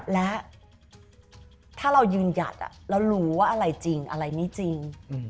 และถ้าเรายืนหยัดแล้วรู้ว่าอะไรจริงอะไรไม่จริง